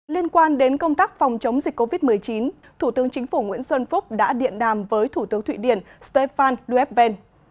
liên quan đến công tác phòng chống dịch covid một mươi chín thủ tướng chính phủ nguyễn xuân phúc đã điện đàm với thủ tướng thụy điển stefan lueven